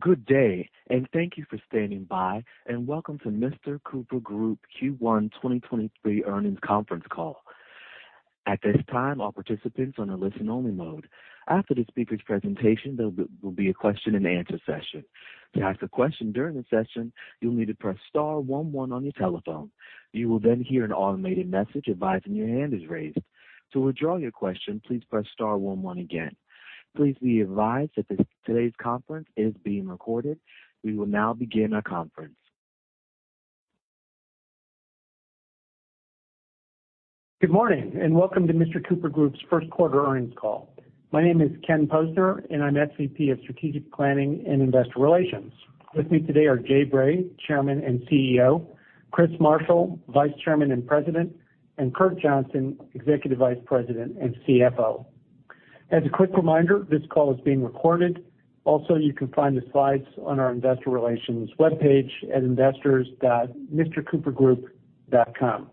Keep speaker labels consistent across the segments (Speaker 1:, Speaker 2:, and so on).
Speaker 1: Good day. Thank you for standing by, and welcome to Mr. Cooper Group Q1 2023 Earnings Conference Call. At this time, all participants are on a listen-only mode. After the speaker's presentation, there will be a question-and-answer session. To ask a question during the session, you'll need to press star one one on your telephone. You will hear an automated message advising your hand is raised. To withdraw your question, please press star one one again. Please be advised that today's conference is being recorded. We will now begin our conference.
Speaker 2: Good morning, welcome to Mr. Cooper Group's first quarter earnings call. My name is Ken Posner, I'm SVP of Strategic Planning and Investor Relations. With me today are Jay Bray, Chairman and CEO, Chris Marshall, Vice Chairman and President, Kurt Johnson, Executive Vice President and CFO. As a quick reminder, this call is being recorded. You can find the slides on our investor relations webpage at investors.mrcoopergroup.com.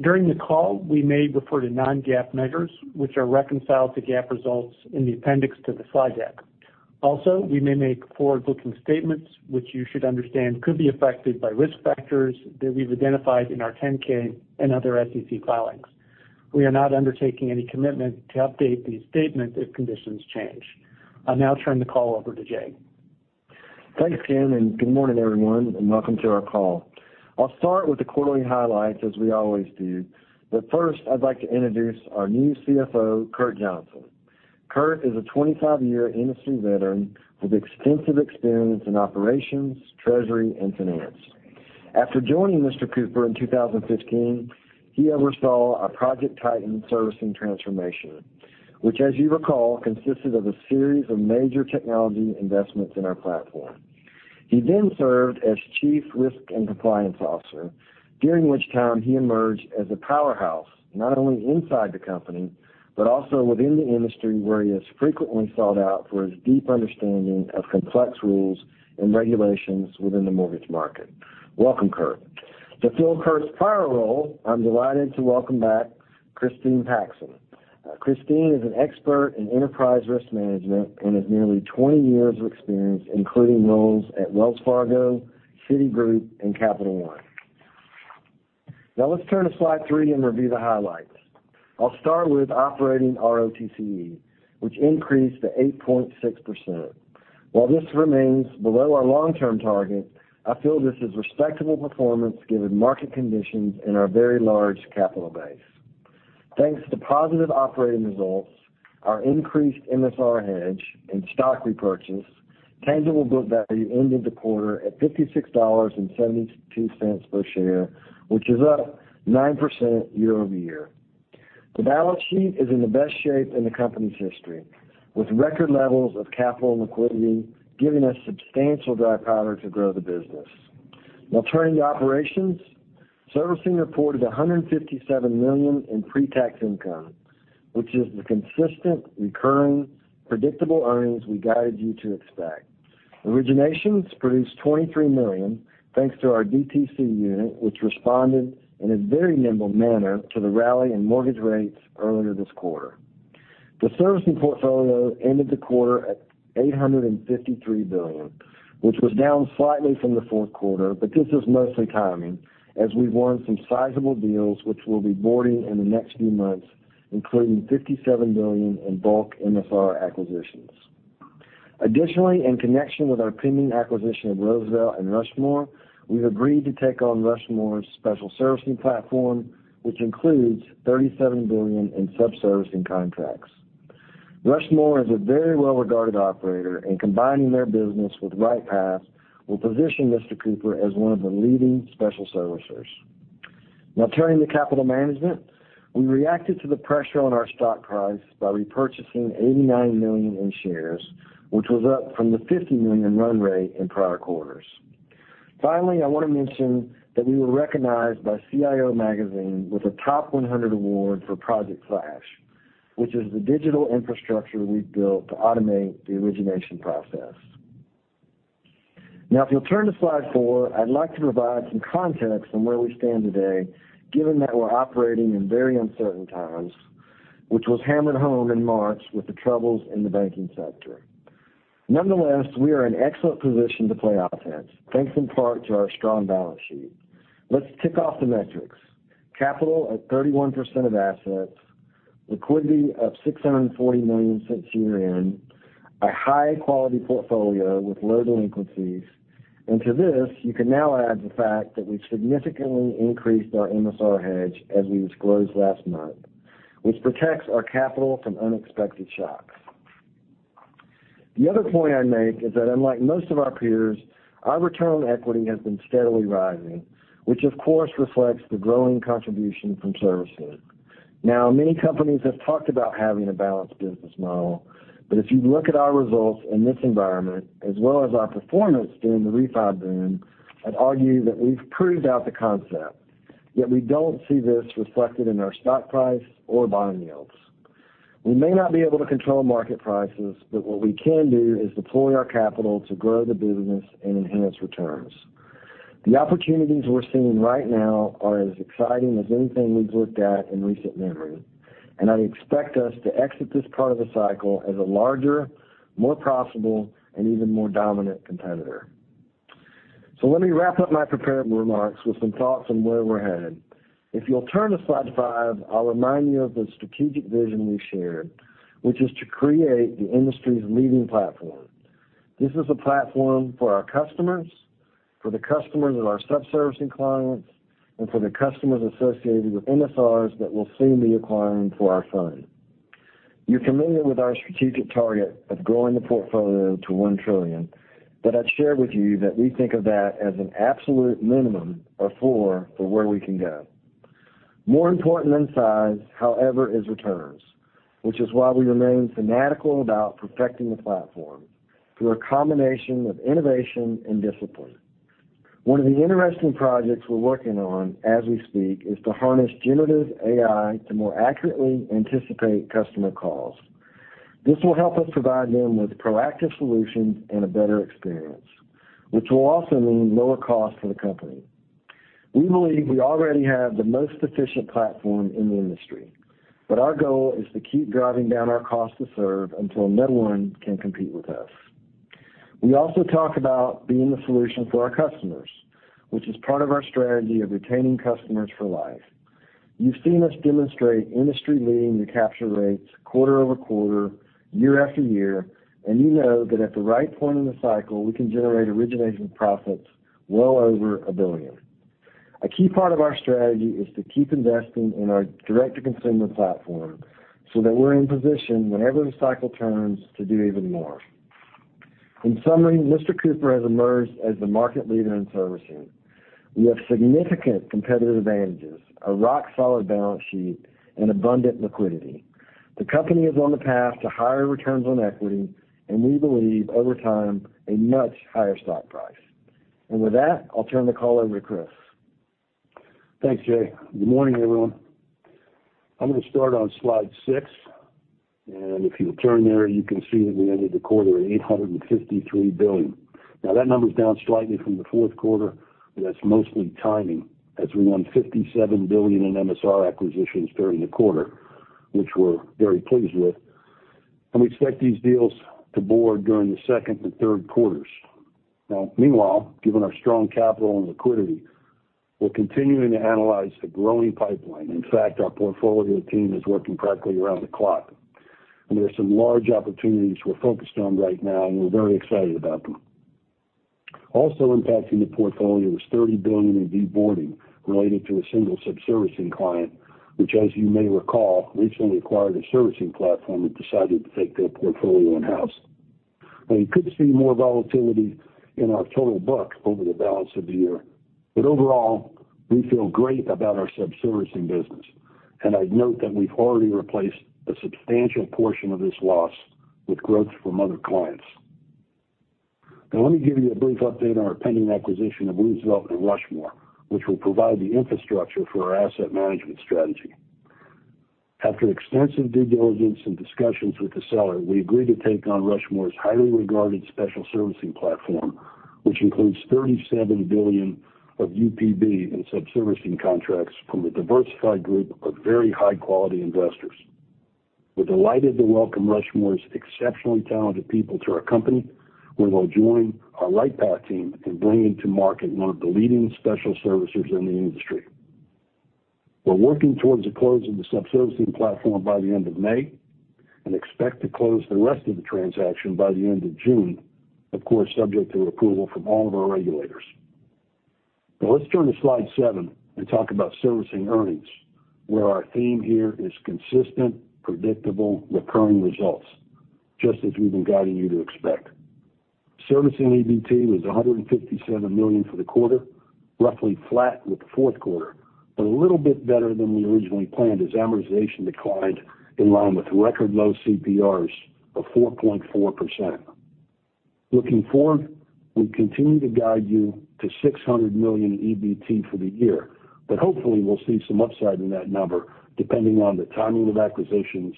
Speaker 2: During the call, we may refer to non-GAAP measures, which are reconciled to GAAP results in the appendix to the slide deck. We may make forward-looking statements, which you should understand could be affected by risk factors that we've identified in our 10-K and other SEC filings. We are not undertaking any commitment to update these statements if conditions change. I'll now turn the call over to Jay.
Speaker 3: Thanks, Ken. Good morning, everyone, and welcome to our call. I'll start with the quarterly highlights as we always do. First, I'd like to introduce our new CFO Kurt Johnson. Kurt is a 25-year industry veteran with extensive experience in operations, treasury, and finance. After joining Mr. Cooper in 2015, he oversaw our Project Titan servicing transformation, which as you recall, consisted of a series of major technology investments in our platform. He served as Chief Risk and Compliance Officer, during which time he emerged as a powerhouse, not only inside the company, but also within the industry, where he is frequently sought out for his deep understanding of complex rules and regulations within the mortgage market. Welcome, Kurt. To fill Kurt's prior role, I'm delighted to welcome back Christine Paxton. Christine Paxton is an expert in enterprise risk management and has nearly 20 years of experience, including roles at Wells Fargo, Citigroup, and Capital One. Let's turn to slide 3 and review the highlights. I'll start with operating ROTCE, which increased to 8.6%. While this remains below our long-term target, I feel this is respectable performance given market conditions and our very large capital base. Thanks to positive operating results, our increased MSR hedge, and stock repurchase, tangible book value ended the quarter at $56.72 per share, which is up 9% year-over-year. The balance sheet is in the best shape in the company's history, with record levels of capital and liquidity giving us substantial dry powder to grow the business. Turning to operations. Servicing reported $157 million in pretax income, which is the consistent, recurring, predictable earnings we guided you to expect. Originations produced $23 million, thanks to our DTC unit, which responded in a very nimble manner to the rally in mortgage rates earlier this quarter. The servicing portfolio ended the quarter at $853 billion, which was down slightly from the fourth quarter, but this is mostly timing as we've won some sizable deals which we'll be boarding in the next few months, including $57 billion in bulk MSR acquisitions. Additionally, in connection with our pending acquisition of Roosevelt and Rushmore, we've agreed to take on Rushmore's special servicing platform, which includes $37 billion in sub-servicing contracts. Rushmore is a very well-regarded operator, and combining their business with RightPath will position Mr. Cooper as one of the leading special servicers. Turning to capital management. We reacted to the pressure on our stock price by repurchasing $89 million in shares, which was up from the $50 million run rate in prior quarters. I want to mention that we were recognized by CIO magazine with a Top 100 award for Project Flash, which is the digital infrastructure we've built to automate the origination process. If you'll turn to slide 4, I'd like to provide some context on where we stand today, given that we're operating in very uncertain times, which was hammered home in March with the troubles in the banking sector. We are in excellent position to play offense, thanks in part to our strong balance sheet. Let's tick off the metrics. Capital at 31% of assets, liquidity of $640 million since year-end, a high-quality portfolio with low delinquencies. To this, you can now add the fact that we've significantly increased our MSR hedge as we disclosed last month, which protects our capital from unexpected shocks. The other point I'd make is that unlike most of our peers, our return on equity has been steadily rising, which of course reflects the growing contribution from servicing. Many companies have talked about having a balanced business model, but if you look at our results in this environment as well as our performance during the refi boom, I'd argue that we've proved out the concept, yet we don't see this reflected in our stock price or borrowing yields. We may not be able to control market prices, but what we can do is deploy our capital to grow the business and enhance returns. The opportunities we're seeing right now are as exciting as anything we've looked at in recent memory, and I expect us to exit this part of the cycle as a larger, more profitable, and even more dominant competitor. Let me wrap up my prepared remarks with some thoughts on where we're headed. If you'll turn to slide 5, I'll remind you of the strategic vision we've shared, which is to create the industry's leading platform. This is a platform for our customers, for the customers of our sub-servicing clients, and for the customers associated with MSRs that we'll soon be acquiring for our fund. You're familiar with our strategic target of growing the portfolio to $1 trillion. I'd share with you that we think of that as an absolute minimum or floor for where we can go. More important than size, however, is returns, which is why we remain fanatical about perfecting the platform through a combination of innovation and discipline. One of the interesting projects we're working on as we speak is to harness generative AI to more accurately anticipate customer calls. This will help us provide them with proactive solutions and a better experience, which will also mean lower costs for the company. We believe we already have the most efficient platform in the industry. Our goal is to keep driving down our cost to serve until no one can compete with us. We also talk about being the solution for our customers, which is part of our strategy of retaining customers for life. You've seen us demonstrate industry-leading recapture rates quarter-over-quarter, year-after-year, and you know that at the right point in the cycle, we can generate origination profits well over $1 billion. A key part of our strategy is to keep investing in our direct-to-consumer platform so that we're in position whenever the cycle turns to do even more. In summary, Mr. Cooper has emerged as the market leader in servicing. We have significant competitive advantages, a rock-solid balance sheet, and abundant liquidity. The company is on the path to higher returns on equity, and we believe over time, a much higher stock price. With that, I'll turn the call over to Chris.
Speaker 4: Thanks, Jay. Good morning, everyone. I'm gonna start on slide 6, and if you'll turn there, you can see that we ended the quarter at $853 billion. Now, that number is down slightly from the fourth quarter, but that's mostly timing as we won $57 billion in MSR acquisitions during the quarter, which we're very pleased with. We expect these deals to board during the second and third quarters. Now, meanwhile, given our strong capital and liquidity, we're continuing to analyze the growing pipeline. In fact, our portfolio team is working practically around the clock. There are some large opportunities we're focused on right now, and we're very excited about them. Also impacting the portfolio was $30 billion in deboarding related to a single sub-servicing client, which, as you may recall, recently acquired a servicing platform and decided to take their portfolio in-house. You could see more volatility in our total book over the balance of the year, but overall, we feel great about our sub-servicing business. I'd note that we've already replaced a substantial portion of this loss with growth from other clients. Let me give you a brief update on our pending acquisition of Roosevelt and Rushmore, which will provide the infrastructure for our asset management strategy. After extensive due diligence and discussions with the seller, we agreed to take on Rushmore's highly regarded special servicing platform, which includes $37 billion of UPB and sub-servicing contracts from a diversified group of very high-quality investors. We're delighted to welcome Rushmore's exceptionally talented people to our company, where they'll join our RightPath team in bringing to market one of the leading special servicers in the industry. We're working towards the close of the sub-servicing platform by the end of May and expect to close the rest of the transaction by the end of June, of course, subject to approval from all of our regulators. Let's turn to slide 7 and talk about servicing earnings, where our theme here is consistent, predictable, recurring results, just as we've been guiding you to expect. Servicing EBT was $157 million for the quarter, roughly flat with the fourth quarter, but a little bit better than we originally planned as amortization declined in line with record low CPRs of 4.4%. Looking forward, we continue to guide you to $600 million in EBT for the year, but hopefully, we'll see some upside in that number depending on the timing of acquisitions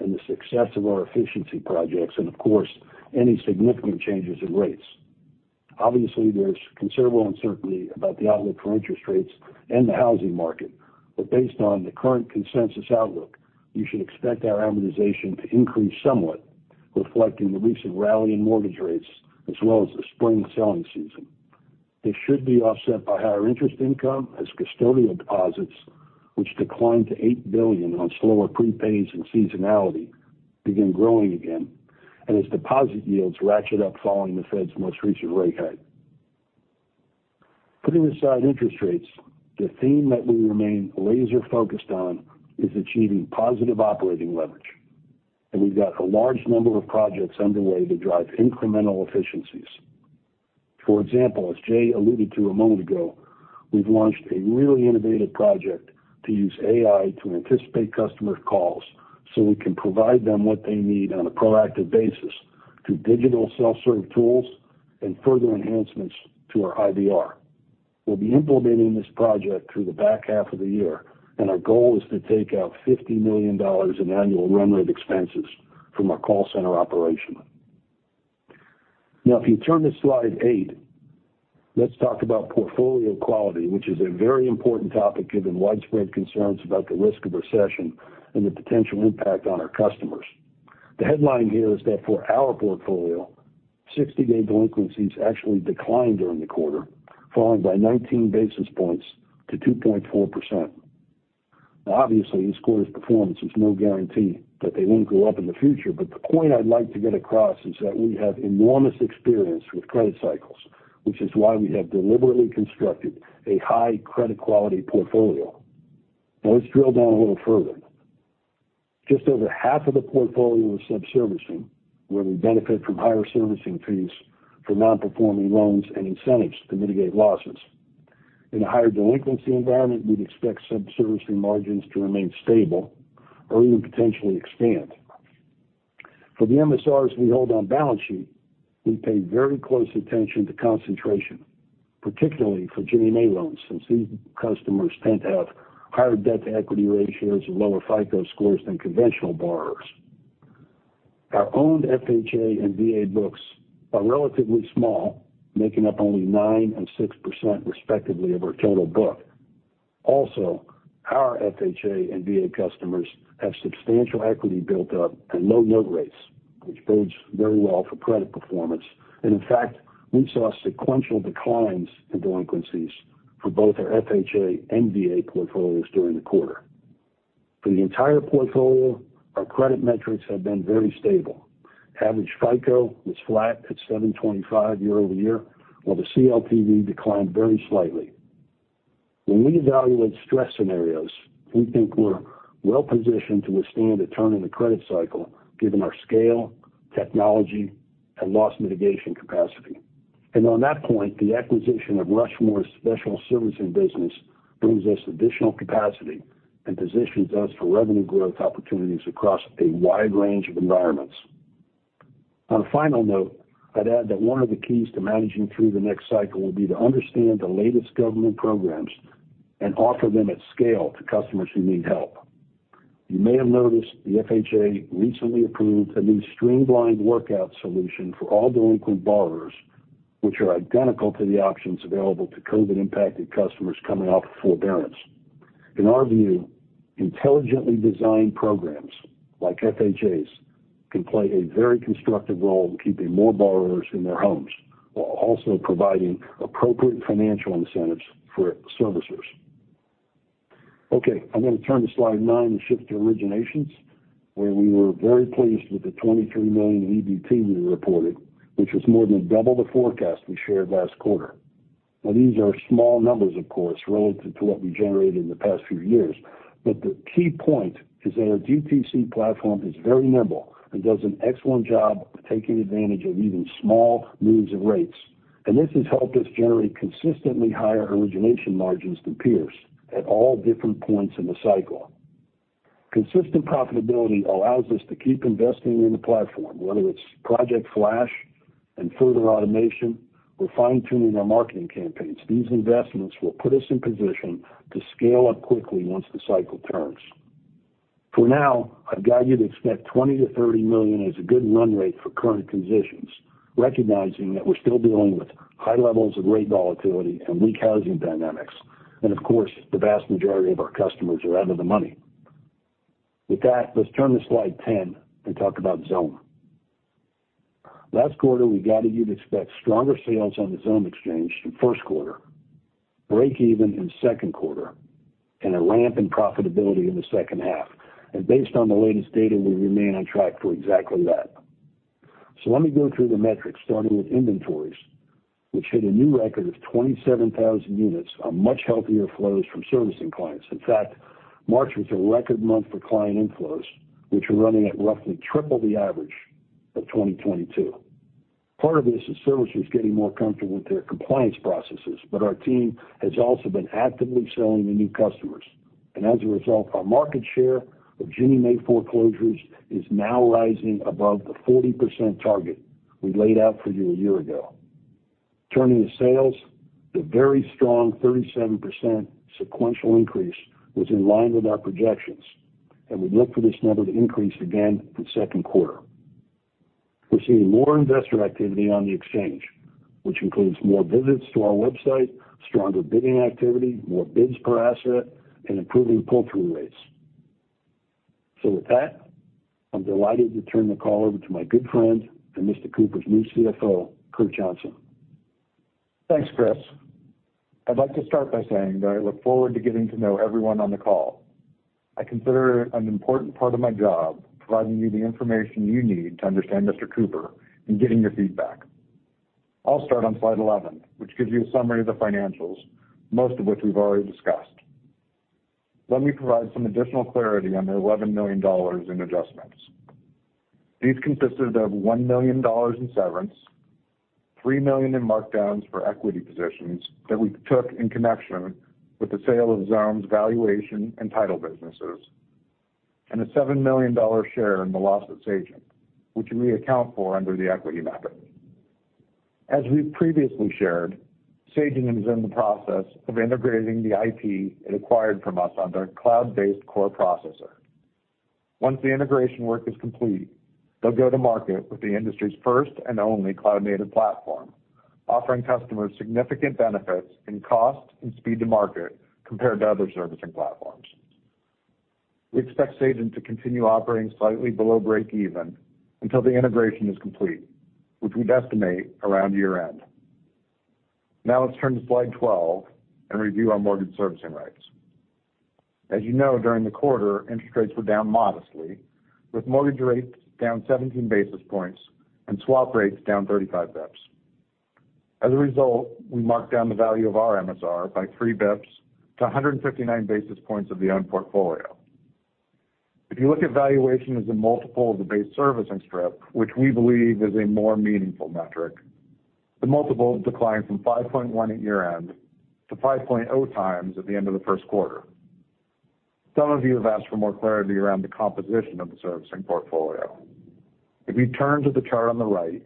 Speaker 4: and the success of our efficiency projects and of course, any significant changes in rates. Obviously, there's considerable uncertainty about the outlook for interest rates and the housing market, but based on the current consensus outlook, you should expect our amortization to increase somewhat, reflecting the recent rally in mortgage rates as well as the spring selling season. They should be offset by higher interest income as custodial deposits, which declined to $8 billion on slower prepays and seasonality begin growing again and as deposit yields ratchet up following the Fed's most recent rate hike. Putting aside interest rates, the theme that we remain laser-focused on is achieving positive operating leverage, and we've got a large number of projects underway to drive incremental efficiencies. For example, as Jay alluded to a moment ago, we've launched a really innovative project to use AI to anticipate customer calls, so we can provide them what they need on a proactive basis through digital self-serve tools and further enhancements to our IVR. We'll be implementing this project through the back half of the year, and our goal is to take out $50 million in annual run rate expenses from our call center operation. Now if you turn to slide eight, let's talk about portfolio quality, which is a very important topic given widespread concerns about the risk of recession and the potential impact on our customers. The headline here is that for our portfolio, 60-day delinquencies actually declined during the quarter, falling by 19 basis points to 2.4%. Obviously, this quarter's performance is no guarantee that they won't go up in the future, but the point I'd like to get across is that we have enormous experience with credit cycles, which is why we have deliberately constructed a high credit quality portfolio. Let's drill down a little further. Just over half of the portfolio is sub-servicing, where we benefit from higher servicing fees for non-performing loans and incentives to mitigate losses. In a higher delinquency environment, we'd expect sub-servicing margins to remain stable or even potentially expand. For the MSRs we hold on balance sheet, we pay very close attention to concentration, particularly for Ginnie Mae loans, since these customers tend to have higher debt-to-equity ratios and lower FICO scores than conventional borrowers. Our owned FHA and VA books are relatively small, making up only 9% and 6% respectively of our total book. Our FHA and VA customers have substantial equity built up and low note rates, which bodes very well for credit performance. In fact, we saw sequential declines in delinquencies for both our FHA and VA portfolios during the quarter. For the entire portfolio, our credit metrics have been very stable. Average FICO was flat at 725 year-over-year, while the CLTV declined very slightly. When we evaluate stress scenarios, we think we're well-positioned to withstand a turn in the credit cycle given our scale, technology, and loss mitigation capacity. On that point, the acquisition of Rushmore's special servicing business brings us additional capacity and positions us for revenue growth opportunities across a wide range of environments. On a final note, I'd add that one of the keys to managing through the next cycle will be to understand the latest government programs and offer them at scale to customers who need help. You may have noticed the FHA recently approved a new streamlined workout solution for all delinquent borrowers, which are identical to the options available to COVID-impacted customers coming off forbearance. In our view, intelligently designed programs like FHA's can play a very constructive role in keeping more borrowers in their homes, while also providing appropriate financial incentives for servicers. I'm gonna turn to slide nine and shift to originations, where we were very pleased with the $23 million in EBT we reported, which was more than double the forecast we shared last quarter. These are small numbers, of course, relative to what we generated in the past few years. The key point is that our DTC platform is very nimble and does an excellent job of taking advantage of even small moves in rates. This has helped us generate consistently higher origination margins than peers at all different points in the cycle. Consistent profitability allows us to keep investing in the platform, whether it's Project Flash and further automation or fine-tuning our marketing campaigns. These investments will put us in position to scale up quickly once the cycle turns. For now, I'd guide you to expect $20 million-$30 million as a good run rate for current conditions, recognizing that we're still dealing with high levels of rate volatility and weak housing dynamics. Of course, the vast majority of our customers are out of the money. With that, let's turn to slide 10 and talk about Xome. Last quarter, we guided you to expect stronger sales on the Xome exchange in 1st quarter, break even in 2nd quarter, and a ramp in profitability in the 2nd half. Based on the latest data, we remain on track for exactly that. Let me go through the metrics, starting with inventories, which hit a new record of 27,000 units on much healthier flows from servicing clients. In fact, March was a record month for client inflows, which are running at roughly triple the average of 2022. Part of this is servicers getting more comfortable with their compliance processes, but our team has also been actively selling to new customers. As a result, our market share of Ginnie Mae foreclosures is now rising above the 40% target we laid out for you a year ago. Turning to sales, the very strong 37% sequential increase was in line with our projections, and we look for this number to increase again in the second quarter. We're seeing more investor activity on the exchange, which includes more visits to our website, stronger bidding activity, more bids per asset, and improving pull-through rates. With that, I'm delighted to turn the call over to my good friend and Mr. Cooper's new CFO, Kurt Johnson.
Speaker 5: Thanks, Chris. I'd like to start by saying that I look forward to getting to know everyone on the call. I consider it an important part of my job providing you the information you need to understand Mr. Cooper and getting your feedback. I'll start on slide 11, which gives you a summary of the financials, most of which we've already discussed. Let me provide some additional clarity on the $11 million in adjustments. These consisted of $1 million in severance, $3 million in markdowns for equity positions that we took in connection with the sale of Xome's valuation and title businesses, and a $7 million share in the loss at Sagent, which we account for under the equity method. As we've previously shared, Sagent is in the process of integrating the I.P. it acquired from us on their cloud-based core processor. Once the integration work is complete, they'll go to market with the industry's first and only cloud-native platform, offering customers significant benefits in cost and speed to market compared to other servicing platforms. We expect Sagent to continue operating slightly below break even until the integration is complete, which we'd estimate around year-end. Now let's turn to slide 12 and review our mortgage servicing rights. As you know, during the quarter, interest rates were down modestly, with mortgage rates down 17 basis points and swap rates down 35 bps. As a result, we marked down the value of our MSR by 3 bps to 159 basis points of the portfolio. If you look at valuation as a multiple of the base servicing strip, which we believe is a more meaningful metric, the multiple declined from 5.1 at year-end to 5.0 times at the end of the first quarter. Some of you have asked for more clarity around the composition of the servicing portfolio. If you turn to the chart on the right,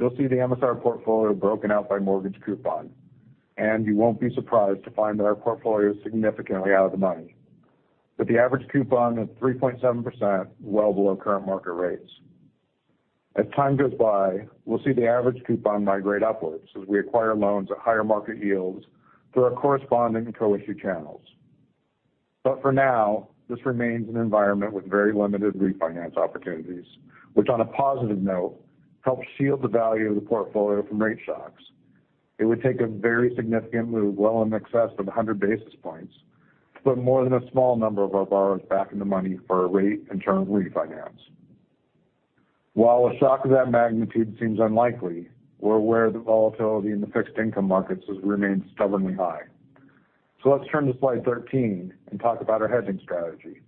Speaker 5: you'll see the MSR portfolio broken out by mortgage coupon, and you won't be surprised to find that our portfolio is significantly out of the money, with the average coupon at 3.7% well below current market rates. As time goes by, we'll see the average coupon migrate upwards as we acquire loans at higher market yields through our corresponding co-issue channels. For now, this remains an environment with very limited refinance opportunities, which on a positive note, helps shield the value of the portfolio from rate shocks. It would take a very significant move, well in excess of 100 basis points, to put more than a small number of our borrowers back in the money for a rate and term refinance. While a shock of that magnitude seems unlikely, we're aware the volatility in the fixed income markets has remained stubbornly high. Let's turn to slide 13 and talk about our hedging strategy.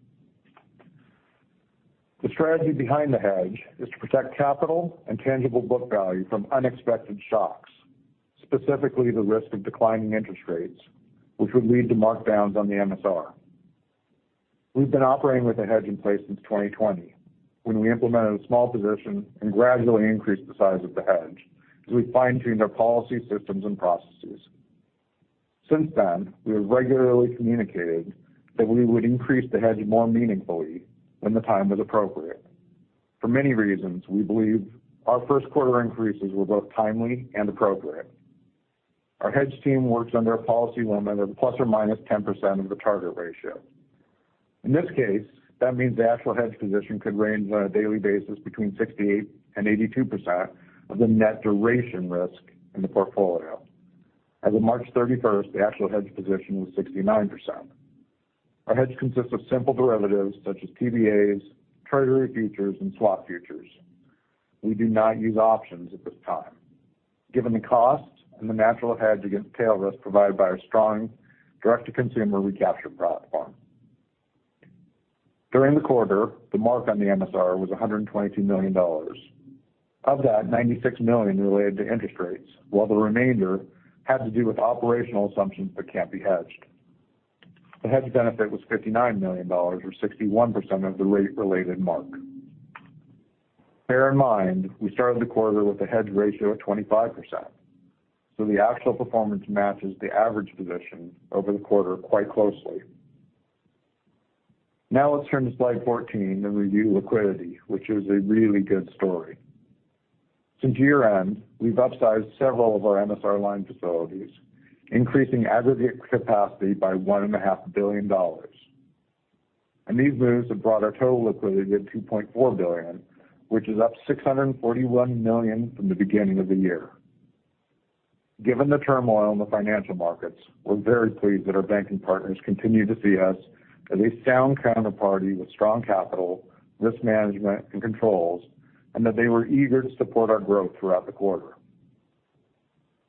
Speaker 5: The strategy behind the hedge is to protect capital and tangible book value from unexpected shocks, specifically the risk of declining interest rates, which would lead to markdowns on the MSR. We've been operating with a hedge in place since 2020, when we implemented a small position and gradually increased the size of the hedge as we fine-tuned our policy systems and processes. Since then, we have regularly communicated that we would increase the hedge more meaningfully when the time was appropriate. For many reasons, we believe our first quarter increases were both timely and appropriate. Our hedge team works under a policy limit of ±10% of the target ratio. In this case, that means the actual hedge position could range on a daily basis between 68%-82% of the net duration risk in the portfolio. As of March 31st, the actual hedge position was 69%. Our hedge consists of simple derivatives such as TBAs, treasury futures, and swap futures. We do not use options at this time, given the cost and the natural hedge against tail risk provided by our strong direct-to-consumer recapture platform. During the quarter, the mark on the MSR was $122 million. Of that, $96 million related to interest rates, while the remainder had to do with operational assumptions that can't be hedged. The hedge benefit was $59 million or 61% of the rate-related mark. Bear in mind, we started the quarter with a hedge ratio of 25%. The actual performance matches the average position over the quarter quite closely. Let's turn to slide 14 and review liquidity, which is a really good story. Since year-end, we've upsized several of our MSR line facilities, increasing aggregate capacity by one and a half billion dollars. These moves have brought our total liquidity at $2.4 billion, which is up $641 million from the beginning of the year. Given the turmoil in the financial markets, we're very pleased that our banking partners continue to see us as a sound counterparty with strong capital, risk management, and controls, and that they were eager to support our growth throughout the quarter.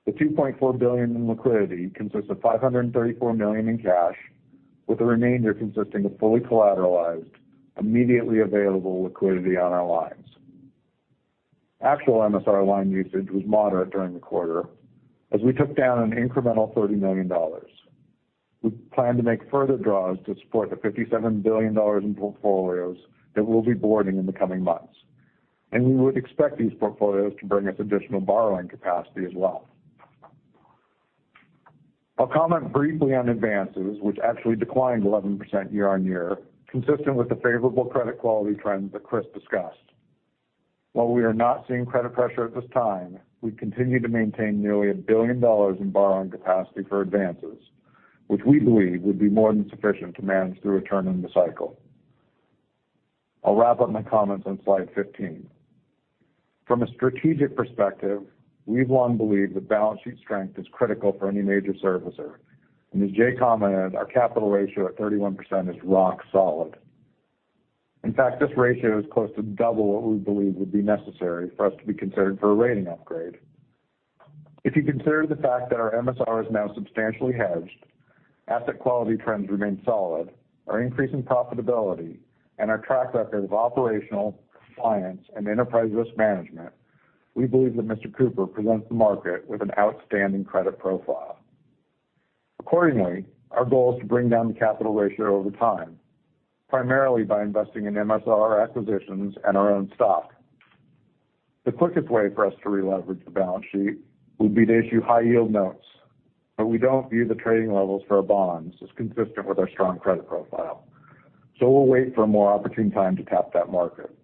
Speaker 5: The $2.4 billion in liquidity consists of $534 million in cash, with the remainder consisting of fully collateralized, immediately available liquidity on our lines. Actual MSR line usage was moderate during the quarter, as we took down an incremental $30 million. We plan to make further draws to support the $57 billion in portfolios that we'll be boarding in the coming months. We would expect these portfolios to bring us additional borrowing capacity as well. I'll comment briefly on advances, which actually declined 11% year-over-year, consistent with the favorable credit quality trends that Chris discussed. While we are not seeing credit pressure at this time, we continue to maintain nearly $1 billion in borrowing capacity for advances, which we believe would be more than sufficient to manage through a turn in the cycle. I'll wrap up my comments on slide 15. From a strategic perspective, we've long believed that balance sheet strength is critical for any major servicer. As Jay commented, our capital ratio at 31% is rock solid. In fact, this ratio is close to double what we believe would be necessary for us to be considered for a rating upgrade. If you consider the fact that our MSR is now substantially hedged, asset quality trends remain solid, our increase in profitability and our track record of operational compliance and enterprise risk management, we believe that Mr. Cooper presents the market with an outstanding credit profile. Accordingly, our goal is to bring down the capital ratio over time, primarily by investing in MSR acquisitions and our own stock. The quickest way for us to releverage the balance sheet would be to issue high-yield notes, but we don't view the trading levels for our bonds as consistent with our strong credit profile. We'll wait for a more opportune time to tap that market.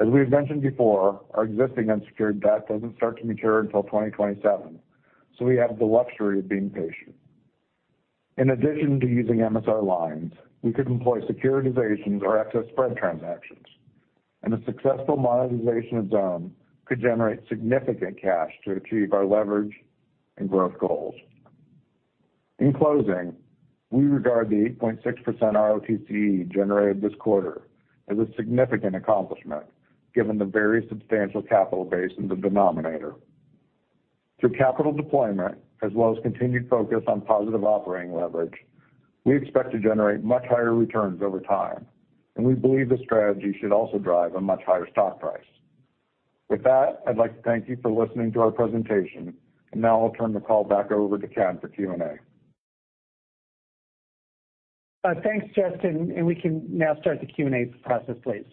Speaker 5: As we've mentioned before, our existing unsecured debt doesn't start to mature until 2027, so we have the luxury of being patient. In addition to using MSR lines, we could employ securitizations or excess spread transactions, and a successful monetization of Xome could generate significant cash to achieve our leverage and growth goals. In closing, we regard the 8.6% ROTCE generated this quarter as a significant accomplishment given the very substantial capital base in the denominator. Through capital deployment as well as continued focus on positive operating leverage, we expect to generate much higher returns over time, and we believe this strategy should also drive a much higher stock price. With that, I'd like to thank you for listening to our presentation. Now I'll turn the call back over to Ken for Q&A.
Speaker 2: Thanks, Justin, we can now start the Q&A process, please.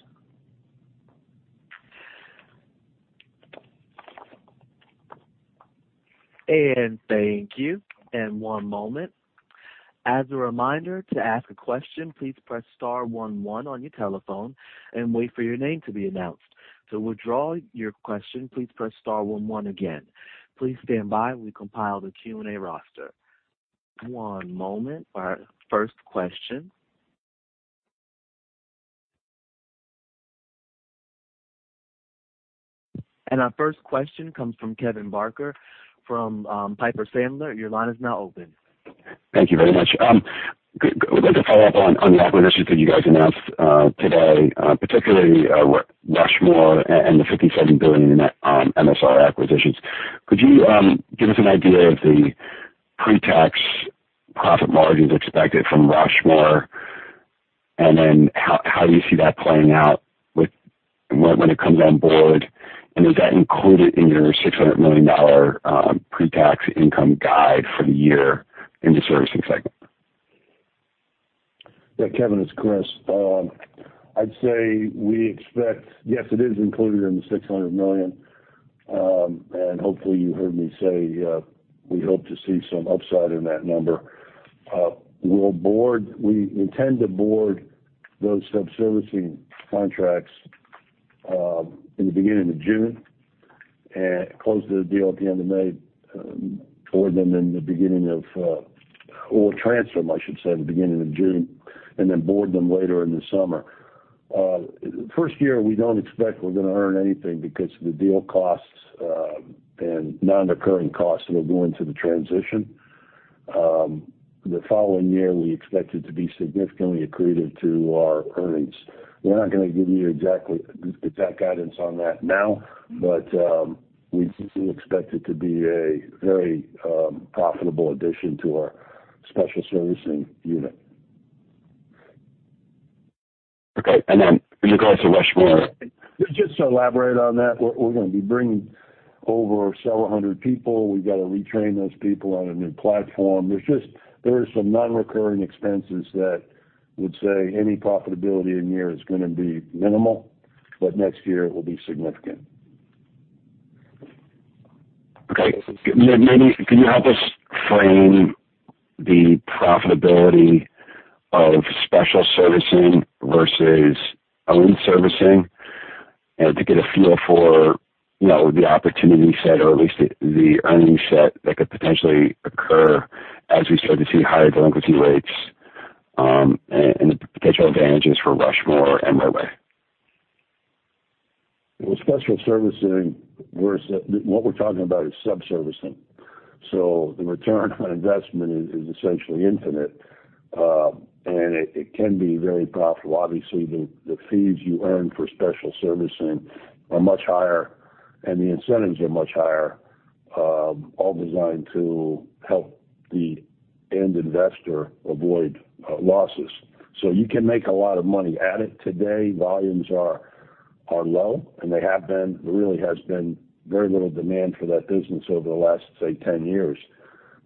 Speaker 1: Thank you. One moment. As a reminder, to ask a question, please press star 1 1 on your telephone and wait for your name to be announced. To withdraw your question, please press star 1 1 again. Please stand by while we compile the Q&A roster. One moment for our first question. Our first question comes from Kevin Barker from Piper Sandler. Your line is now open.
Speaker 6: Thank you very much. would like to follow up on the acquisitions that you guys announced today, particularly Rushmore and the $57 billion in net MSR acquisitions. Could you give us an idea of the pretax profit margins expected from Rushmore? How do you see that playing out with when it comes on board, and is that included in your $600 million pretax income guide for the year in the servicing segment?
Speaker 4: Yeah, Kevin, it's Chris. Yes, it is included in the $600 million. Hopefully you heard me say, we hope to see some upside in that number. We intend to board those subservicing contracts in the beginning of June. Close the deal at the end of May, or transfer them, I should say, in the beginning of June and then board them later in the summer. First year, we don't expect we're going to earn anything because of the deal costs and non-recurring costs that'll go into the transition. The following year, we expect it to be significantly accretive to our earnings. We're not going to give you exactly exact guidance on that now, but we expect it to be a very profitable addition to our special servicing unit.
Speaker 6: Okay. In regards to Rushmore.
Speaker 4: Just to elaborate on that, we're gonna be bringing over several hundred people. We've got to retrain those people on a new platform. There are some non-recurring expenses that would say any profitability in year is gonna be minimal, but next year it will be significant.
Speaker 6: Okay. Maybe can you help us frame the profitability of special servicing versus owned servicing to get a feel for, you know, the opportunity set or at least the earnings set that could potentially occur as we start to see higher delinquency rates, and the potential advantages for Rushmore and RightPath?
Speaker 4: With special servicing, what we're talking about is subservicing. The return on investment is essentially infinite. It can be very profitable. Obviously, the fees you earn for special servicing are much higher, and the incentives are much higher, all designed to help the end investor avoid losses. You can make a lot of money at it today. Volumes are low, and they have been. There really has been very little demand for that business over the last, say, 10 years.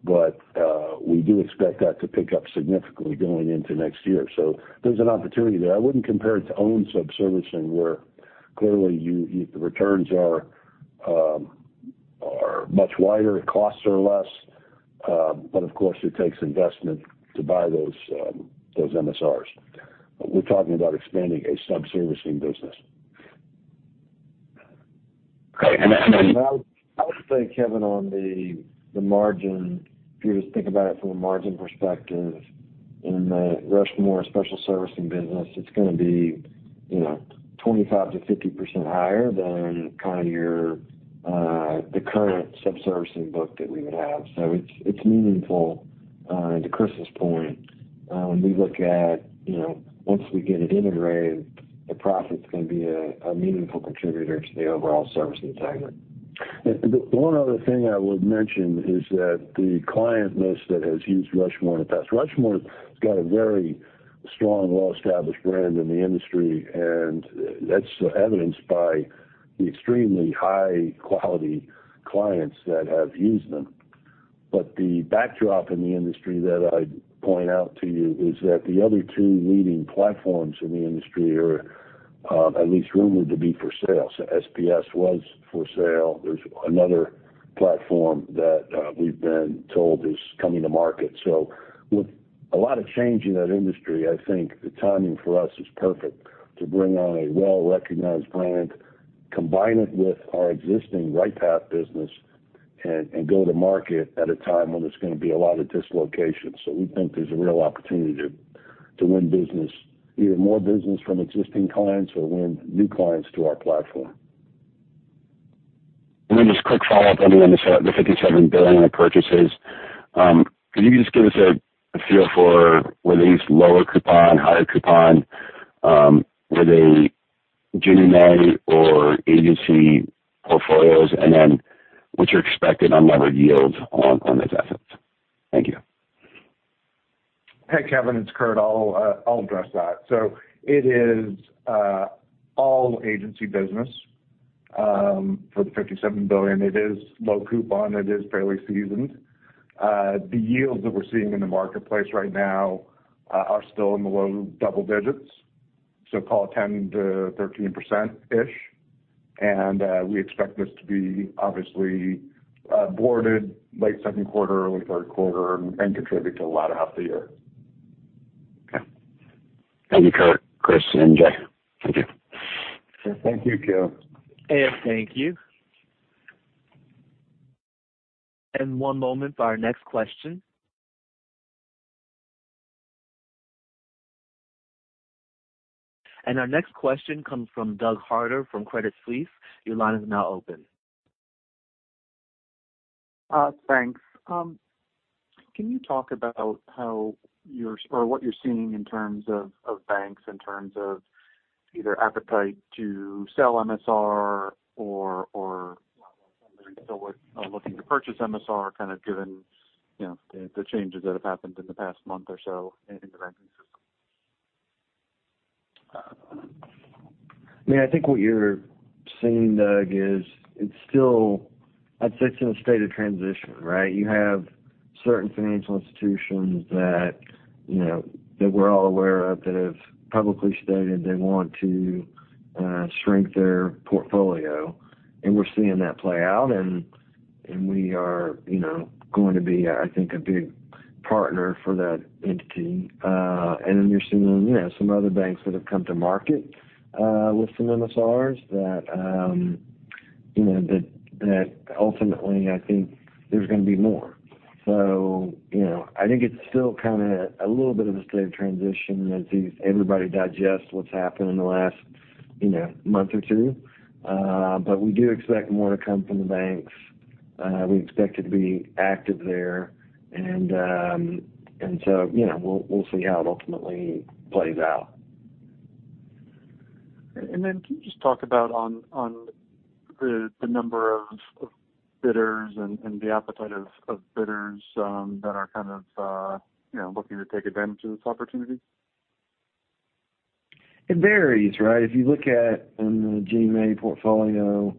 Speaker 4: We do expect that to pick up significantly going into next year. There's an opportunity there. I wouldn't compare it to own subservicing, where clearly the returns are much wider, costs are less. Of course, it takes investment to buy those MSRs. We're talking about expanding a subservicing business.
Speaker 6: Okay. then-
Speaker 5: I would say, Kevin Barker, on the margin, if you just think about it from a margin perspective, in the Rushmore special servicing business, it's gonna be, you know, 25%-50% higher than kind of your current subservicing book that we would have. It's meaningful to Chris Marshall's point. When we look at, you know, once we get it integrated, the profit's gonna be a meaningful contributor to the overall servicing segment.
Speaker 4: The one other thing I would mention is that the client list that has used Rushmore in the past, Rushmore's got a very strong, well-established brand in the industry, and that's evidenced by the extremely high-quality clients that have used them. The backdrop in the industry that I'd point out to you is that the other two leading platforms in the industry are at least rumored to be for sale. SPS was for sale. There's another platform that we've been told is coming to market. With a lot of change in that industry, I think the timing for us is perfect to bring on a well-recognized brand, combine it with our existing RightPath business and go to market at a time when there's gonna be a lot of dislocation. We think there's a real opportunity to win business, either more business from existing clients or win new clients to our platform.
Speaker 6: Just quick follow-up on the $57 billion in purchases. Could you just give us a feel for were these lower coupon, higher coupon? Were they Ginnie Mae or agency portfolios? What's your expected unlevered yield on these assets? Thank you.
Speaker 5: Hey, Kevin, it's Kurt. I'll address that. It is all agency business for the $57 billion. It is low coupon. It is fairly seasoned. The yields that we're seeing in the marketplace right now are still in the low double digits, so call 10%-13%-ish. We expect this to be obviously boarded late second quarter, early third quarter and contribute to the latter half of the year.
Speaker 6: Okay. Thank you, Kurt, Chris, and Jay. Thank you.
Speaker 4: Thank you, Kevin.
Speaker 1: Thank you. One moment for our next question. Our next question comes from Doug Harter from Credit Suisse. Your line is now open.
Speaker 7: Thanks. Can you talk about what you're seeing in terms of banks, in terms of either appetite to sell MSR or, well, if somebody's still looking to purchase MSR, kind of given, you know, the changes that have happened in the past month or so in the banking system?
Speaker 3: I mean, I think what you're seeing, Doug, is it's still, I'd say it's in a state of transition, right? You have certain financial institutions that, you know, that we're all aware of, that have publicly stated they want to shrink their portfolio. We're seeing that play out, and we are, you know, going to be, I think, a big partner for that entity. You're seeing, you know, some other banks that have come to market, with some MSRs that, you know, that ultimately, I think there's gonna be more. You know, I think it's still kind of a little bit of a state of transition as everybody digests what's happened in the last, you know, month or two. We do expect more to come from the banks. We expect to be active there. You know, we'll see how it ultimately plays out.
Speaker 7: Can you just talk about on the number of bidders and the appetite of bidders, that are kind of, you know, looking to take advantage of this opportunity?
Speaker 3: It varies, right? If you look at in the Ginnie Mae portfolio,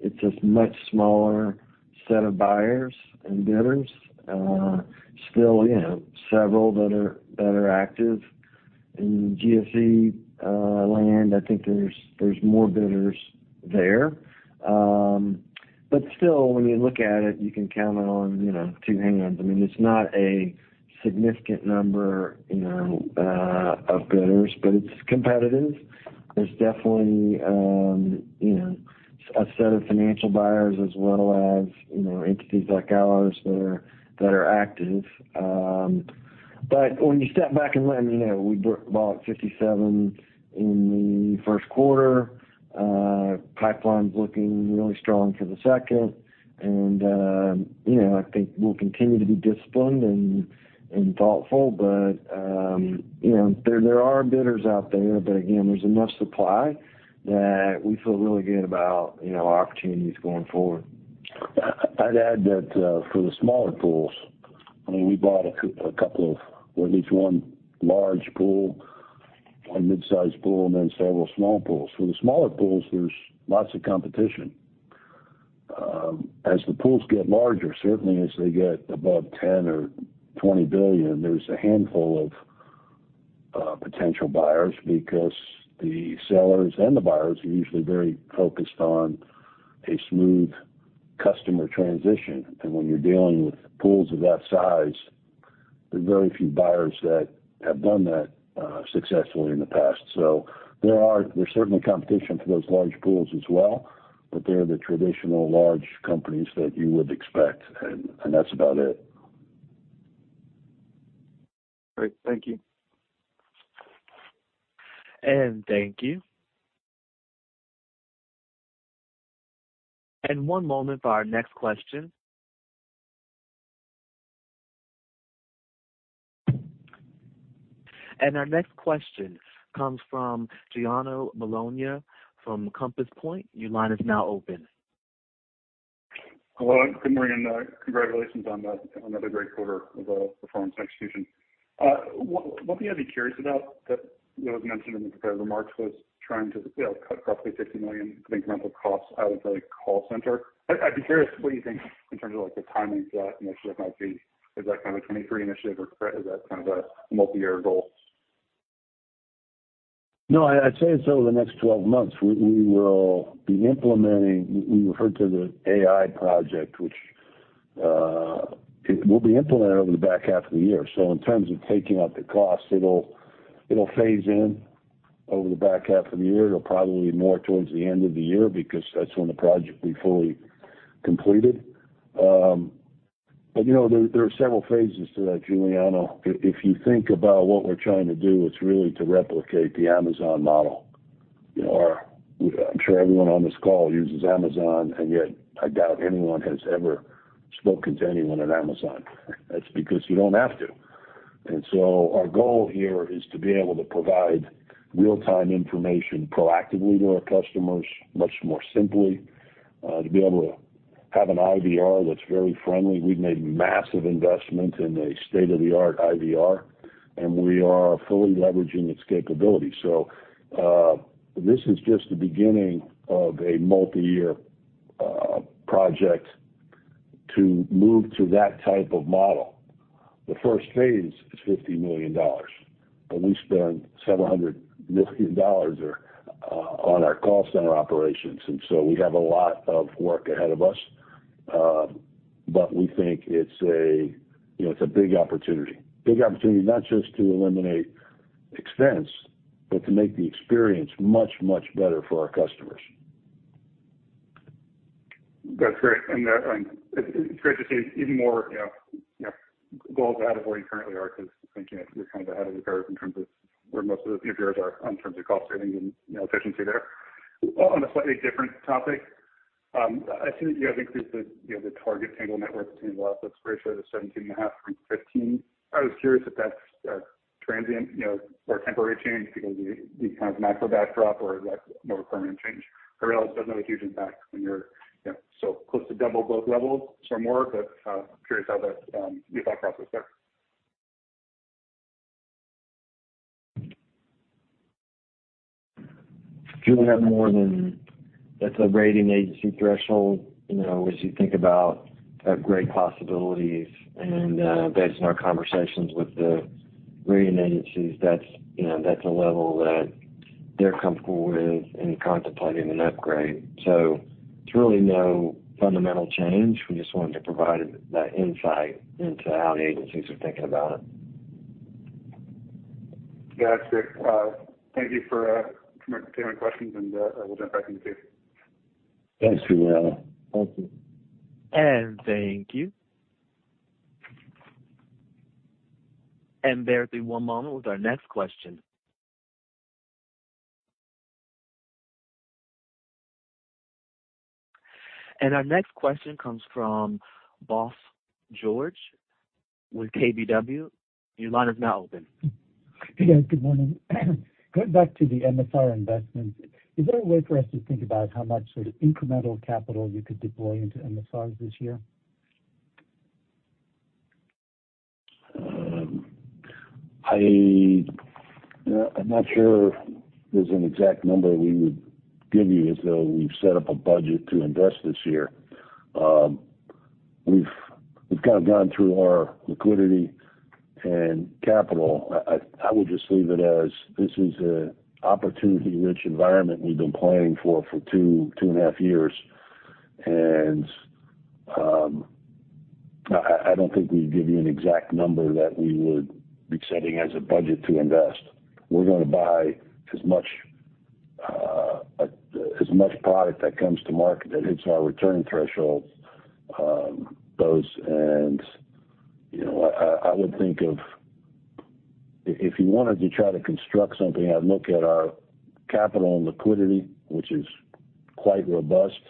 Speaker 3: it's a much smaller set of buyers and bidders, still, you know, several that are active. In GSE land, I think there's more bidders there. Still, when you look at it, you can count on, you know, two hands. I mean, it's not a significant number, you know, of bidders, but it's competitive. There's definitely, you know, a set of financial buyers as well as, you know, entities like ours that are active. When you step back and let them know, we bought 57 in the first quarter. Pipeline's looking really strong for the second. I think we'll continue to be disciplined and thoughtful. you know, there are bidders out there, but again, there's enough supply that we feel really good about, you know, our opportunities going forward.
Speaker 4: I'd add that, for the smaller pools, I mean, we bought a couple of, or at least 1 large pool and mid-sized pool and then several small pools. For the smaller pools, there's lots of competition. As the pools get larger, certainly as they get above 10 or 20 billion, there's a handful of potential buyers because the sellers and the buyers are usually very focused on a smooth customer transition. When you're dealing with pools of that size, there are very few buyers that have done that successfully in the past. There's certainly competition for those large pools as well, but they're the traditional large companies that you would expect, and that's about it.
Speaker 7: Great. Thank you.
Speaker 1: Thank you. One moment for our next question. Our next question comes from Giuliano Bologna from Compass Point. Your line is now open.
Speaker 8: Hello, good morning, congratulations on another great quarter of performance and execution. One thing I'd be curious about that, you know, was mentioned in the prepared remarks was trying to, you know, cut roughly $60 million of incremental costs out of the call center. I'd be curious what you think in terms of, like, the timing of that initiative might be. Is that kind of a 23 initiative or is that kind of a multi-year goal?
Speaker 4: No, I'd say it's over the next 12 months. We will be implementing. We referred to the AI project, which it will be implemented over the back half of the year. In terms of taking out the cost, it'll phase in over the back half of the year. It'll probably be more towards the end of the year because that's when the project will be fully completed. You know, there are several phases to that, Giuliano. If you think about what we're trying to do, it's really to replicate the Amazon model. You know, I'm sure everyone on this call uses Amazon, and yet I doubt anyone has ever spoken to anyone at Amazon. That's because you don't have to. Our goal here is to be able to provide real-time information proactively to our customers, much more simply, to be able to have an IVR that's very friendly. We've made massive investments in a state-of-the-art IVR, and we are fully leveraging its capability. This is just the beginning of a multi-year project to move to that type of model. The first phase is $50 million, but we spend $700 million or on our call center operations, we have a lot of work ahead of us. But we think it's a, you know, it's a big opportunity. Big opportunity not just to eliminate expense, but to make the experience much, much better for our customers.
Speaker 8: That's great. It's great to see even more, you know, you know, goals ahead of where you currently are because I think you're kind of ahead of the curve in terms of where most of the peers are in terms of cost savings and, you know, efficiency there. On a slightly different topic, I see that you have increased the, you know, the target tangible net worth to loss exploration to 17.5 from 15. I was curious if that's a transient, you know, or temporary change because of the kind of macro backdrop, or is that more of a permanent change? I realize it doesn't have a huge impact when you're, you know, so close to double both levels or more, but curious how that, you thought process there.
Speaker 3: Giuliano, we have more than. That's a rating agency threshold. You know, as you think about upgrade possibilities and, based on our conversations with the rating agencies, that's, you know, that's a level that they're comfortable with in contemplating an upgrade. It's really no fundamental change. We just wanted to provide that insight into how the agencies are thinking about it.
Speaker 8: Yeah, that's great. Thank you for taking my questions, and I will jump back in the queue.
Speaker 4: Thanks, Giuliano. Thank you.
Speaker 1: Thank you. Bear with me one moment with our next question. Our next question comes from Bose George with KBW. Your line is now open.
Speaker 9: Yes, good morning. Going back to the MSR investments, is there a way for us to think about how much sort of incremental capital you could deploy into MSRs this year?
Speaker 4: I'm not sure there's an exact number we would give you as though we've set up a budget to invest this year. We've kind of gone through our liquidity and capital. I would just leave it as this is an opportunity-rich environment we've been playing for two and a half years. I don't think we'd give you an exact number that we would be setting as a budget to invest. We're gonna buy as much product that comes to market that hits our return thresholds, Bos. You know, I would think of if you wanted to try to construct something, I'd look at our capital and liquidity, which is quite robust,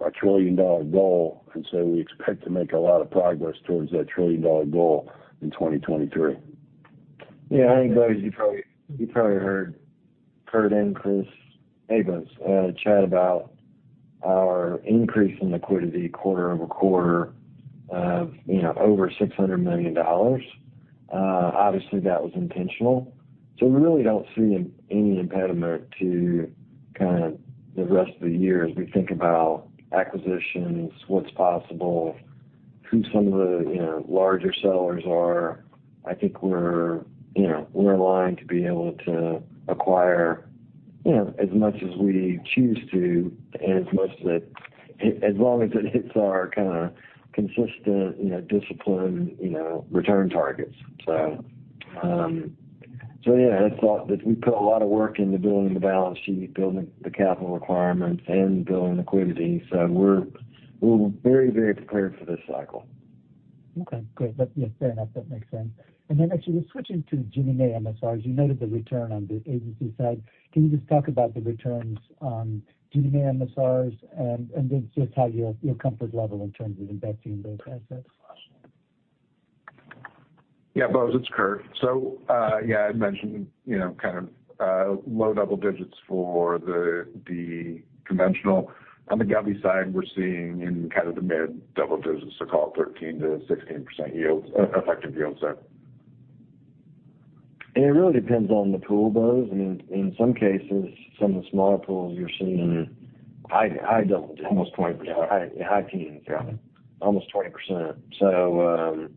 Speaker 4: our trillion-dollar goal, and say we expect to make a lot of progress towards that trillion-dollar goal in 2023.
Speaker 3: Yeah, I think, Bos, you probably heard Kurt and Chris Marshall chat about our increase in liquidity quarter-over-quarter of, you know, over $600 million. Obviously that was intentional. We really don't see any impediment to kind of the rest of the year as we think about acquisitions, what's possible, who some of the, you know, larger sellers are. I think we're, you know, we're aligned to be able to acquire, you know, as much as we choose to and as long as it hits our kind of consistent, you know, discipline, you know, return targets. Yeah, I thought that we put a lot of work into building the balance sheet, building the capital requirements and building liquidity. We're very, very prepared for this cycle.
Speaker 9: Okay, great. Yes, fair enough. That makes sense. Actually switching to Ginnie Mae MSRs, you noted the return on the agency side. Can you just talk about the returns on Ginnie Mae MSRs and then just how your comfort level in terms of investing in those assets?
Speaker 5: Bose, it's Kurt. I mentioned, you know, kind of, low double digits for the conventional. On the govvie side, we're seeing in kind of the mid-double digits, call it 13%-16% yields, effective yield.
Speaker 3: It really depends on the pool, Bose. I mean, in some cases, some of the smaller pools you're seeing, I don't... Almost 20%. I can even see almost 20%.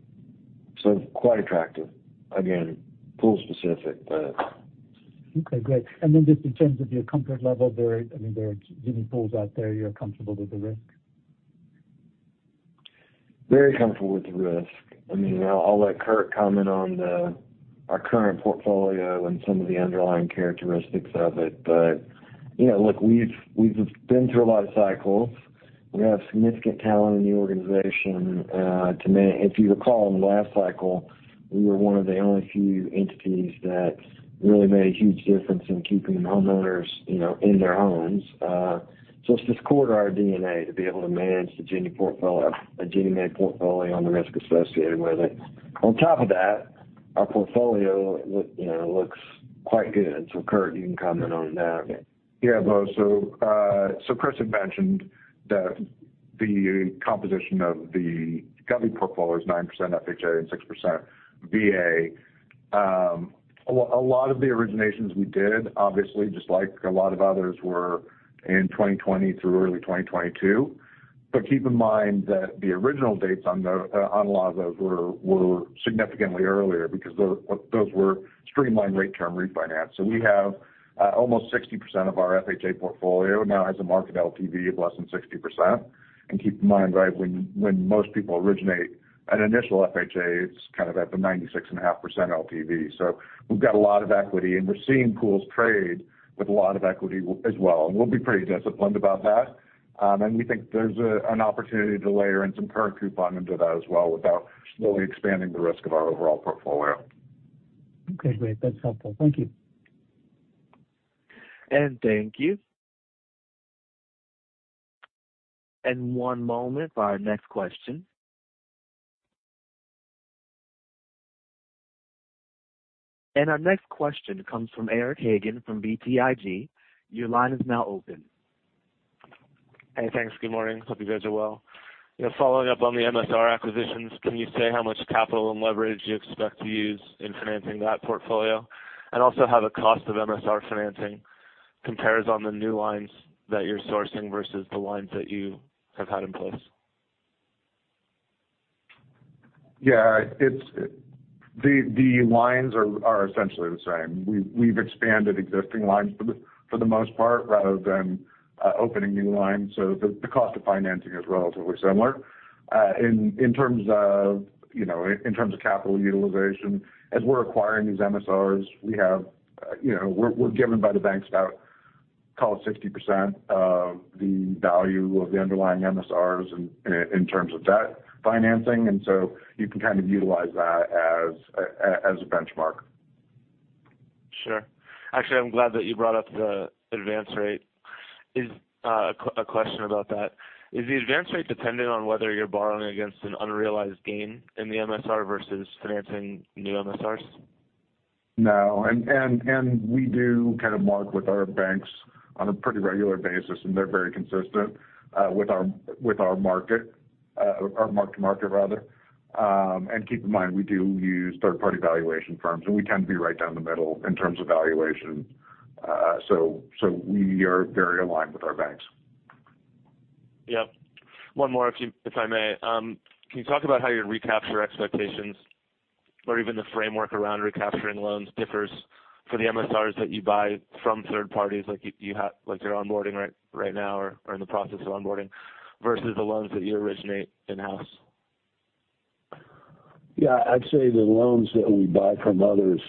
Speaker 3: Quite attractive. Again, pool specific, but.
Speaker 9: Okay, great. Then just in terms of your comfort level, I mean, there are Ginnie pools out there you're comfortable with the risk?
Speaker 3: Very comfortable with the risk. I mean, I'll let Kurt comment on our current portfolio and some of the underlying characteristics of it. You know, look, we've been through a lot of cycles. We have significant talent in the organization, If you recall, in the last cycle, we were one of the only few entities that really made a huge difference in keeping homeowners, you know, in their homes. It's just core to our DNA to be able to manage the Ginnie portfolio, a Ginnie Mae portfolio and the risk associated with it. On top of that, our portfolio, you know, looks quite good. Kurt, you can comment on that.
Speaker 5: Yeah, Bose. Chris had mentioned that the composition of the govvie portfolio is 9% FHA and 6% VA. A lot of the originations we did, obviously, just like a lot of others, were in 2020 through early 2022. Keep in mind that the original dates on a lot of those were significantly earlier because those were streamlined rate term refinance. We have almost 60% of our FHA portfolio now has a market LTV of less than 60%. Keep in mind, right when most people originate an initial FHA, it's kind of at the 96.5% LTV. We've got a lot of equity, and we're seeing pools trade with a lot of equity as well, and we'll be pretty disciplined about that. We think there's an opportunity to layer in some current coupon into that as well without really expanding the risk of our overall portfolio.
Speaker 9: Okay, great. That's helpful. Thank you.
Speaker 1: Thank you. One moment for our next question. Our next question comes from Eric Hagen from BTIG. Your line is now open.
Speaker 10: Hey, thanks. Good morning. Hope you guys are well. You know, following up on the MSR acquisitions, can you say how much capital and leverage you expect to use in financing that portfolio? Also, how the cost of MSR financing compares on the new lines that you're sourcing versus the lines that you have had in place?
Speaker 5: Yeah, the lines are essentially the same. We've expanded existing lines for the most part rather than opening new lines. The cost of financing is relatively similar. In terms of, you know, in terms of capital utilization, as we're acquiring these MSRs, we have, you know, we're given by the banks about call it 60% of the value of the underlying MSRs in terms of debt financing, you can kind of utilize that as a benchmark.
Speaker 10: Sure. Actually, I'm glad that you brought up the advance rate. Is the advance rate dependent on whether you're borrowing against an unrealized gain in the MSR versus financing new MSRs?
Speaker 5: No. We do kind of mark with our banks on a pretty regular basis, and they're very consistent with our market, or mark-to-market rather. Keep in mind, we do use third-party valuation firms, and we tend to be right down the middle in terms of valuation. We are very aligned with our banks.
Speaker 10: Yep. One more if I may. Can you talk about how your recapture expectations or even the framework around recapturing loans differs for the MSRs that you buy from third parties like you're onboarding right now or are in the process of onboarding versus the loans that you originate in-house?
Speaker 3: I'd say the loans that we buy from others,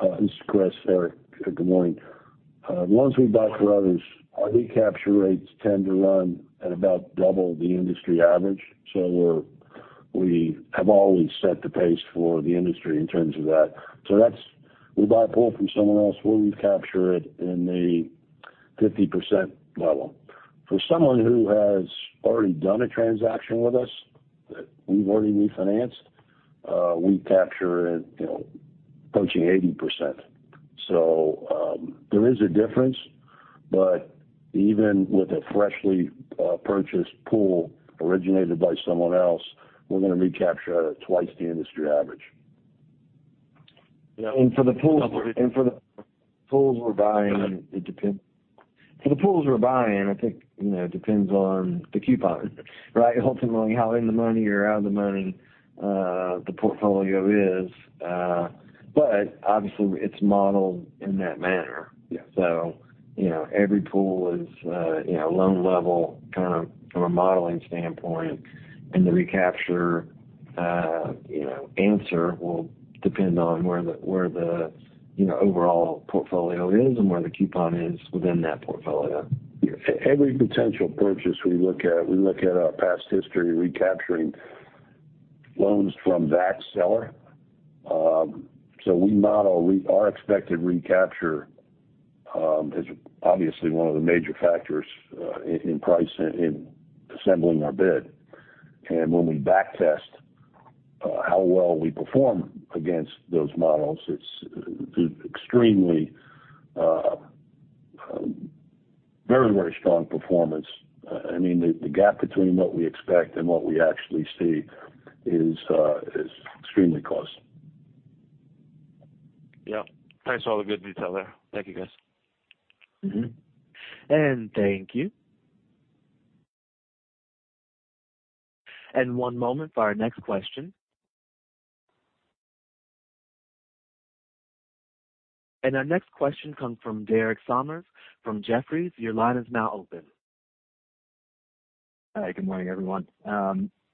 Speaker 3: this is Chris, Eric. Good morning. Loans we buy from others, our recapture rates tend to run at about double the industry average. We have always set the pace for the industry in terms of that. We buy a pool from someone else, we'll recapture it in the 50% level. For someone who has already done a transaction with us, that we've already refinanced, we capture it, you know, approaching 80%. There is a difference, but even with a freshly purchased pool originated by someone else, we're gonna recapture at twice the industry average.
Speaker 5: Yeah. For the pools we're buying, it depends. For the pools we're buying, I think, you know, it depends on the coupon, right? Ultimately, how in the money or out of the money, the portfolio is. Obviously it's modeled in that manner.
Speaker 3: Yeah.
Speaker 5: You know, every pool is, you know, loan level kind of from a modeling standpoint. The recapture, you know, answer will depend on where the, you know, overall portfolio is and where the coupon is within that portfolio.
Speaker 3: Every potential purchase we look at, we look at our past history recapturing loans from that seller. We model our expected recapture is obviously one of the major factors in price in assembling our bid. When we back test how well we perform against those models, it's extremely very strong performance. I mean, the gap between what we expect and what we actually see is extremely close.
Speaker 6: Yep. Thanks for all the good detail there. Thank you, guys.
Speaker 3: Mm-hmm.
Speaker 1: Thank you. One moment for our next question. Our next question comes from Derek Sommers from Jefferies. Your line is now open.
Speaker 11: Hi. Good morning, everyone.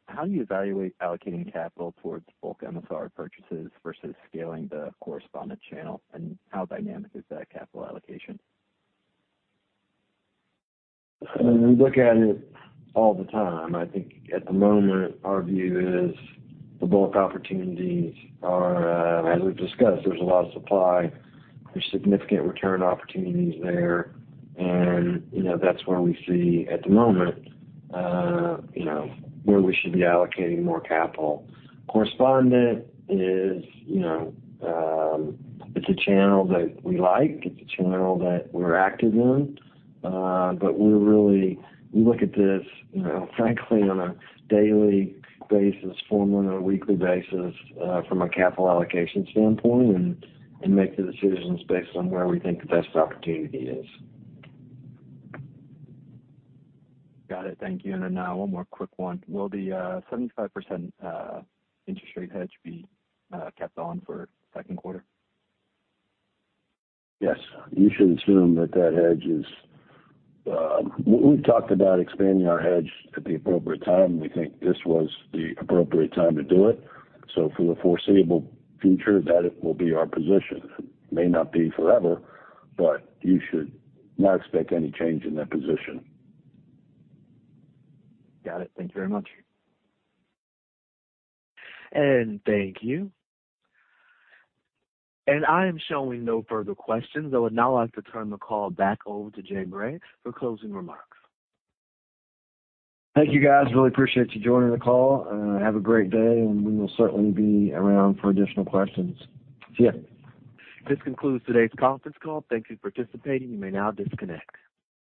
Speaker 11: How do you evaluate allocating capital towards bulk MSR purchases versus scaling the correspondent channel and how dynamic is that capital allocation?
Speaker 3: We look at it all the time. I think at the moment our view is the bulk opportunities are, as we've discussed, there's a lot of supply. There's significant return opportunities there. You know, that's where we see at the moment, you know, where we should be allocating more capital. Correspondent is, you know, it's a channel that we like. It's a channel that we're active in. We look at this, you know, frankly, on a daily basis, formally on a weekly basis, from a capital allocation standpoint, and make the decisions based on where we think the best opportunity is.
Speaker 11: Got it. Thank you. Then now one more quick one. Will the 75% interest rate hedge be kept on for second quarter?
Speaker 3: Yes. You should assume that that hedge is. We've talked about expanding our hedge at the appropriate time, and we think this was the appropriate time to do it. For the foreseeable future, that will be our position. It may not be forever, but you should not expect any change in that position.
Speaker 11: Got it. Thank you very much.
Speaker 1: Thank you. I am showing no further questions. I would now like to turn the call back over to Jay Bray for closing remarks.
Speaker 3: Thank you, guys. Really appreciate you joining the call, and have a great day, and we will certainly be around for additional questions. See you.
Speaker 1: This concludes today's conference call. Thank you for participating. You may now disconnect.